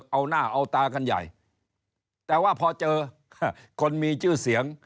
เอาหน้าเอาตากันใหญ่แต่ว่าพอเจอคนมีชื่อเสียง